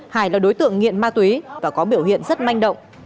hải là đối tượng nghiện ma túy và có biểu hiện rất manh động